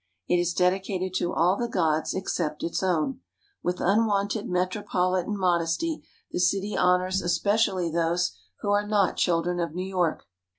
It is dedicated to all the gods except its own. With unwonted metropolitan modesty the city honors especially those who are not children of New York.